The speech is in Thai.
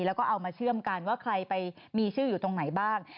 แล้วก็เอามาเชื่อมกันว่าใครไปมีชื่ออยู่ตรงไหนบ้าง